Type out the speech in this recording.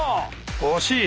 惜しい。